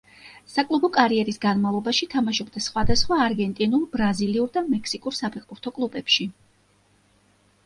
საკლუბო კარიერის განმავლობაში თამაშობდა სხვადასხვა არგენტინულ, ბრაზილიურ და მექსიკურ საფეხბურთო კლუბებში.